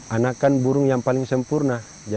anakan burung yang paling sempurna